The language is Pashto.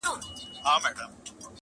يو نه شل ځلي په دام كي يم لوېدلى!.